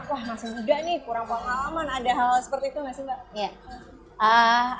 wah masih muda nih kurang pengalaman ada hal hal seperti itu gak sih mbak